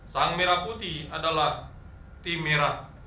sang merah putih adalah tim merah